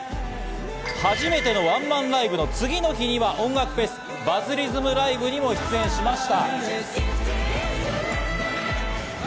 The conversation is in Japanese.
初めてのワンマンライブの次の日には音楽フェス『バズリズムＬＩＶＥ』にも出演しました。